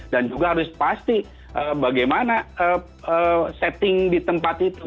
dan juga harus pasti bagaimana setting di tempat itu